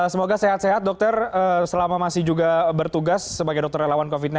semoga sehat sehat dokter selama masih juga bertugas sebagai dokter relawan covid sembilan belas